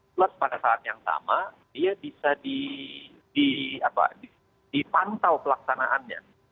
plus pada saat yang sama dia bisa dipantau pelaksanaannya